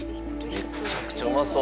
めちゃくちゃ美味そう。